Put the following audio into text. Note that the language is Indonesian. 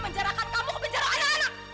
menjarakan kamu ke penjara anak anak